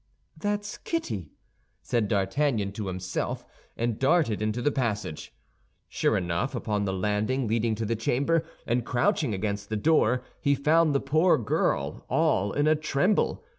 "That's Kitty!" said D'Artagnan to himself, and darted into the passage. Sure enough! Upon the landing leading to the chamber, and crouching against the door, he found the poor girl, all in a tremble.